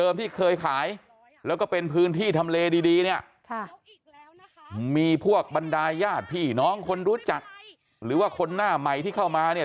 มีพวกบรรดายญาติพี่น้องคนรู้จักหรือว่าคนหน้าใหม่ที่เข้ามาเนี่ย